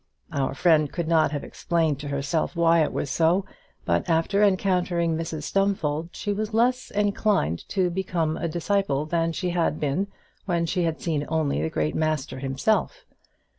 Our friend could not have explained to herself why it was so, but after having encountered Mrs Stumfold, she was less inclined to become a disciple than she had been when she had seen only the great master himself.